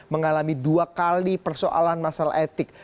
mengalami dua kali persoalan masalah etik